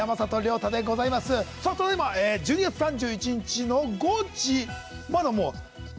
ただいま１２月３１日の５時。